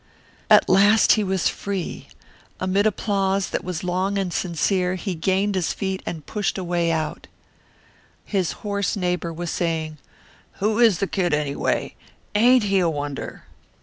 At last he was free. Amid applause that was long and sincere he gained his feet and pushed a way out. His hoarse neighbour was saying, "Who is the kid, anyway? Ain't he a wonder!"